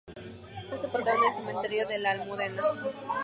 Fue sepultado en el cementerio de la Almudena.